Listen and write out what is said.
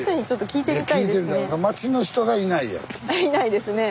いないですねえ。